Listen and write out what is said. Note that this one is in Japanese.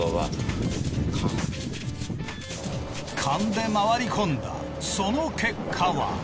カンで回り込んだその結果は？